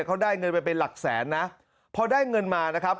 เขาได้เงินไปเป็นหลักแสนนะพอได้เงินมานะครับ